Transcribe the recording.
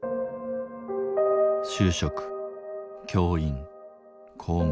「就職教員公務員。